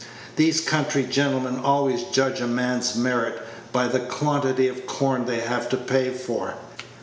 These country gentlemen always judge a man's merits by the quantity of corn they have to pay for.